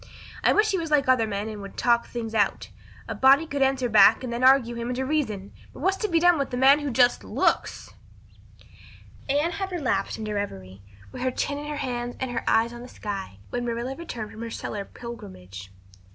I wish he was like other men and would talk things out. A body could answer back then and argue him into reason. But what's to be done with a man who just looks?" Anne had relapsed into reverie, with her chin in her hands and her eyes on the sky, when Marilla returned from her cellar pilgrimage.